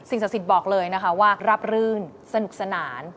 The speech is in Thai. สิ่งสักสิทธิ์บอกเลยว่ารับรื่นสนุกสนาน